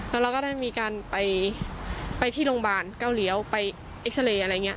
แล้วเราก็ได้มีการไปที่โรงพยาบาลเก้าเลี้ยวไปเอ็กซาเรย์อะไรอย่างนี้